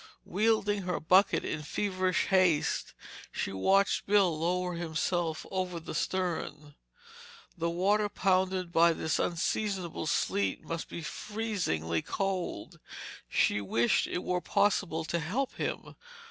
Wielding her bucket in feverish haste, she watched Bill lower himself over the stern. The water pounded by this unseasonable sleet must be freezingly cold. She wished it were possible to help him.